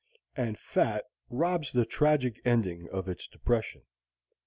And fat robs the tragic ending of its depression.